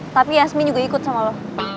tapi yasmi juga ikut sama lo